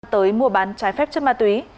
tới mua bán trái phép chất ma túy